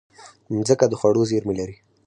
مځکه د خوړو زېرمې لري.